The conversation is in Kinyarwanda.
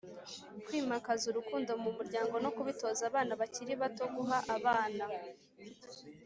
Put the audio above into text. kwimakaza urukundo mu muryango no kubitoza abana bakiri bato guha abana